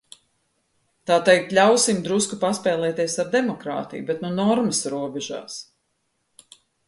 Tā teikt, ļausim drusku paspēlēties ar demokrātiju, bet nu normas robežās!